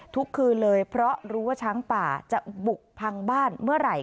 ทุกคืนเลยเพราะรู้ว่าช้างป่าจะบุกพังบ้านเมื่อไหร่